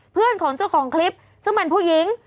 เพื่อนของเจ้าของคลิปซึ่งเป็นผู้หญิง